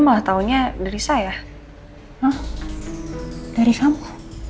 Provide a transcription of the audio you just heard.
hah dari kamu